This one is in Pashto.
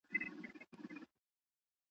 په خوله ذکر په زړه مکر تر خرقې لاندي جامونه !.